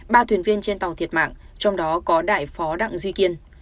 ba thuyền viên trên tàu thiệt mạng trong đó có đại phó đặng duy kiên